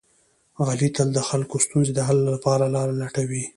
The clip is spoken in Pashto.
علي تل د خلکو د ستونزو د حل لپاره لاره لټوي.